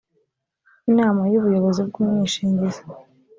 inama y ubuyobozi bw umwishingizi